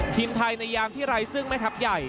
ทีมไทยในยามที่ไร้ซึ่งแม่ทัพใหญ่